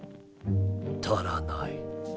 足らない。